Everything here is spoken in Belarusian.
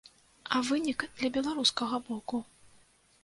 А вынік для беларускага боку?